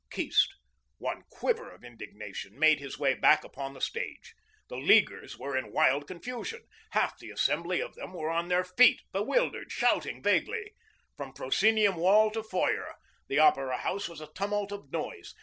Keast, one quiver of indignation, made his way back upon the stage. The Leaguers were in wild confusion. Half the assembly of them were on their feet, bewildered, shouting vaguely. From proscenium wall to foyer, the Opera House was a tumult of noise.